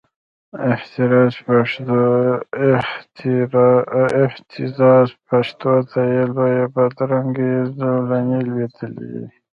د اهتزاز پښو ته یې لویي بدرنګې زولنې لویدلې